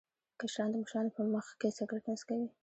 کشران د مشرانو په مخ کې سګرټ نه څکوي.